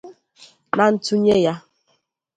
ná ntụnye ya